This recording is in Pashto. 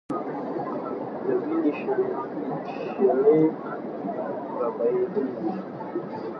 د وینو شېلې به بهېدلې وي.